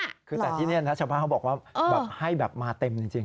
คือแต่ที่นี่นะชาวบ้านเขาบอกว่าแบบให้แบบมาเต็มจริง